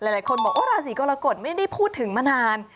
หลายคนบอกว่าราศีกรกฎไม่ได้พูดถึงมานาน